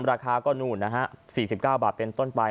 ราคาก็นู่นนะฮะ๔๙บาทเป็นต้นไป